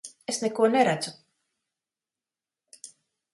Es neko neredzu!